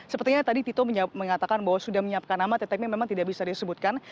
sepertinya tadi tito mengatakan bahwa sudah menyiapkan nama tetapi memang tidak bisa disebutkan